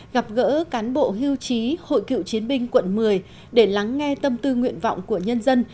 gặp gỡ cán bộ hưu trí hội cựu chiến binh quận một mươi để lắng nghe tâm tư nguyện vọng của nhân dân